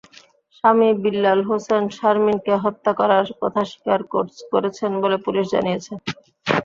স্বামী বিল্লাল হোসেন শারমিনকে হত্যা করার কথা স্বীকার করেছেন বলে পুলিশ জানিয়েছে।